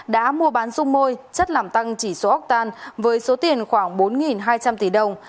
đã mua bán rung môi chất làm tăng chỉ số octan với số tiền khoảng bốn hai trăm linh tỷ đồng